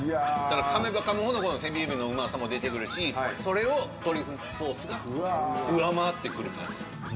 かめばかむほどこのセミエビのうまさも出てくるしそれをトリュフソースが上回ってくる感じ。